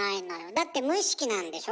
だって無意識なんでしょ？